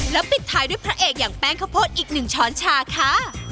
แล้วปิดท้ายด้วยพระเอกอย่างแป้งข้าวโพดอีกหนึ่งช้อนชาค่ะ